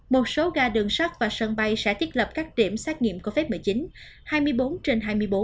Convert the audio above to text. một số ga đường sắt và sân bay sẽ thiết lập các điểm xét nghiệm covid một mươi chín hai mươi bốn trên hai mươi bốn